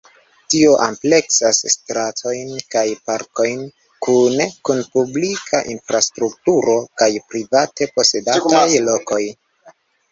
Tio ampleksas stratojn kaj parkojn kune kun publika infrastrukturo kaj private-posedataj lokoj.